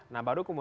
nah baru kemudian